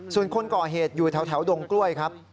ส่วนคนก่อเหตุอยู่แถวดงกล้วยครับ